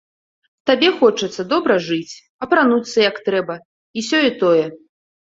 Табе хочацца добра жыць, апрануцца як трэба, і сёе-тое.